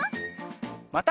また。